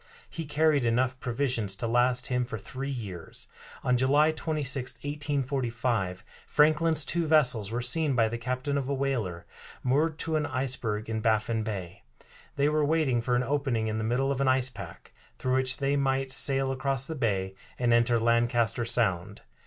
He carried enough provisions to last him for three years. On July 26, 1845, Franklin's two vessels were seen by the captain of a whaler, moored to an iceberg in Baffin Bay. They were waiting for an opening in the middle of an ice pack, through which they might sail across the bay and enter Lancaster Sound.